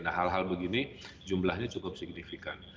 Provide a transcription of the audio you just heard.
nah hal hal begini jumlahnya cukup signifikan